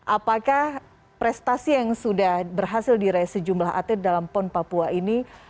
apakah prestasi yang sudah berhasil di reisi jumlah atlet dalam pon papua ini